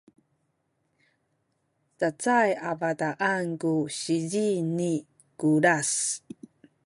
cacay a bataan ku sizi ni Kulas